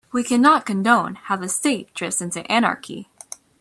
We cannot condone how the state drifts into anarchy.